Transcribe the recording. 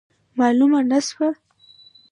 معلومه نه سوه.